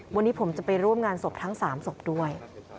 วันนี้ผมจะไปร่วมงานสมทั้งสามสมด้วย